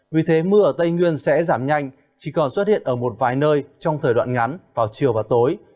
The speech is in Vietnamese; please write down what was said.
vì thế mưa ở tây nguyên sẽ giảm nhanh chỉ còn xuất hiện ở một vài nơi trong thời đoạn ngắn vào chiều và tối